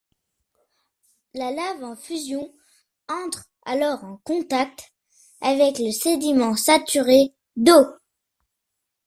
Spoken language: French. La lave en fusion entre alors en contact avec le sédiment saturé d'eau.